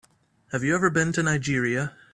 Have you ever been to Nigeria?